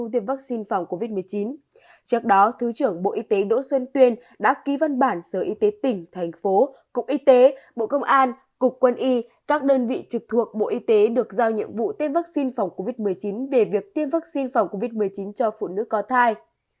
trước đó thứ trưởng bộ y tế đỗ xuân tuyên đã ký văn bản sở y tế tỉnh thành phố cục y tế bộ công an cục quân y các đơn vị trực thuộc bộ y tế được giao nhiệm vụ tiêm vaccine phòng covid một mươi chín về việc tiêm vaccine phòng covid một mươi chín cho phụ nữ có thai